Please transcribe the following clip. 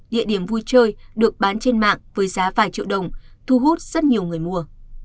địa điểm vui chơi được bán trên mạng với giá vài triệu đồng thu hút rất nhiều người mua